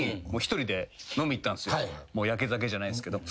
やけ酒じゃないっすけど。